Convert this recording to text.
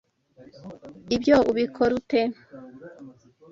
Ibyo ubikora ute